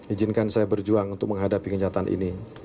izinkan saya berjuang untuk menghadapi kenyataan ini